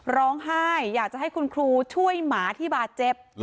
ร้องไห้อยากจะให้คุณครูช่วยหมาที่บาดเจ็บ